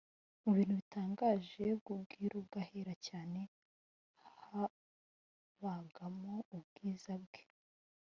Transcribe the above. Mu bintu bitangaje by’ubwiru bw’Ahera Cyane habagamo ubwiza Bwe